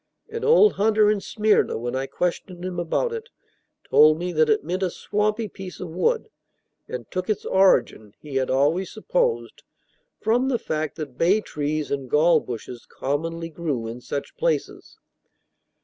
An old hunter in Smyrna, when I questioned him about it, told me that it meant a swampy piece of wood, and took its origin, he had always supposed, from the fact that bay trees and gall bushes commonly grew in such places.